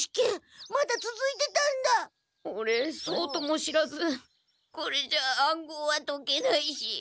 オレそうとも知らずこれじゃあ暗号は解けないし。